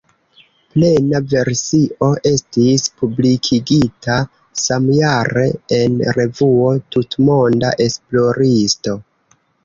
Plena versio estis publikigita samjare en revuo "Tutmonda esploristo".